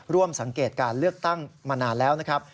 ร่วมสังเกตการเลือกตั้งมานานแล้วนะครับ